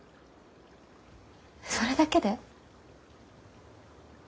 それだけで？